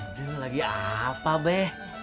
aduh lagi apa be